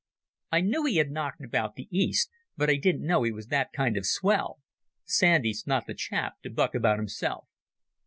"I knew he had knocked about the East, but I didn't know he was that kind of swell. Sandy's not the chap to buck about himself."